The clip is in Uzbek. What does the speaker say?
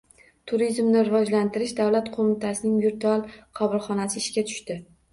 Turizmni rivojlantirish davlat qo‘mitasining virtual qabulxonasi ishga tushdi